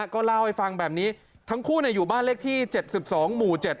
ก็เล่าให้ฟังแบบนี้ทั้งคู่อยู่บ้านเลขที่๗๒หมู่๗